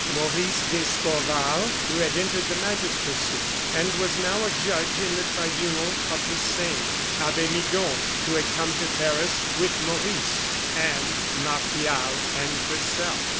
Maurice d'Escorval, who had entered the magistracy, and was now a judge in the tribunal of the Seine; Abbe Midon, who had come to Paris with Maurice, and Martial and herself.